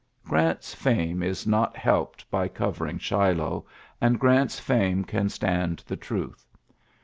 Grant's fame is not helped by cover ing Shiloh; and Grant's fame can stand the truth.